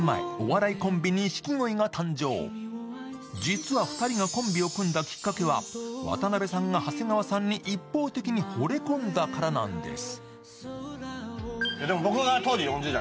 実は２人がコンビを組んだきっかけは、渡辺さんが長谷川さんに一方的にほれ込んだからなんです。